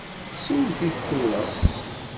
Sew-it tura!